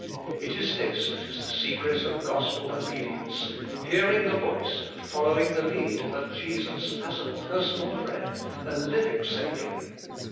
It is this that is the secret of gospel obedience : hearing the voice and following the lead of Jesus as a personal friend, a living Saviour.